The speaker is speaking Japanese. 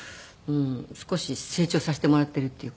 少し成長させてもらっているっていうか。